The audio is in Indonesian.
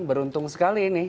beruntung sekali ini